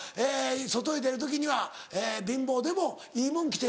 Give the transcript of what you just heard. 外へ出る時には貧乏でもいいもん着て。